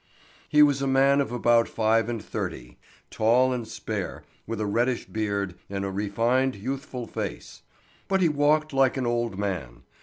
He was a man of about five and thirty, tall and spare, with a reddish beard and a refined, youthful face. But he walked like an old man.